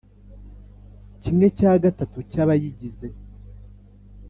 kimwe cya gatatu cy abayigize.